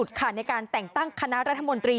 ทีนี้จากรายทื่อของคณะรัฐมนตรี